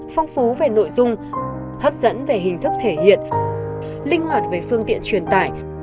phong phú về nội dung hấp dẫn về hình thức thể hiện linh hoạt về phương tiện truyền tải